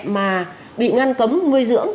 mà bị ngăn cấm nuôi dưỡng